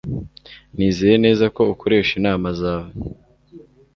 Nizeye neza ko ukoresha inama zawe